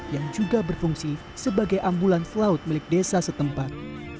yang juga berfungsi sebagai ambulans laut milik desa setempat